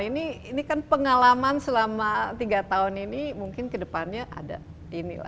ini kan pengalaman selama tiga tahun ini mungkin kedepannya ada ini lah